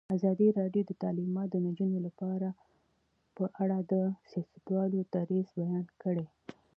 ازادي راډیو د تعلیمات د نجونو لپاره په اړه د سیاستوالو دریځ بیان کړی.